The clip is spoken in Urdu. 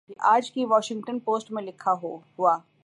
یہ آج کی واشنگٹن پوسٹ میں لکھا ہوا